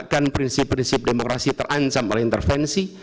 dan prinsip demokrasi terancam oleh intervensi